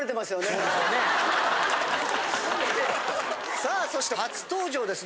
さあそして初登場ですね。